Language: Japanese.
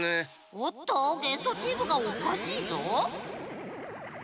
おっとゲストチームがおかしいぞ。